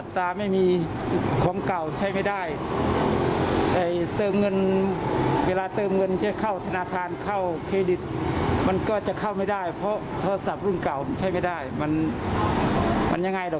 โทรศัพท์รุ่นใหม่ไหม